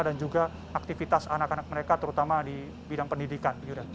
dan juga aktivitas anak anak mereka terutama di bidang pendidikan